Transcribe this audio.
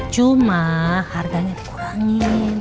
cuma harganya dikurangin